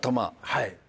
はい。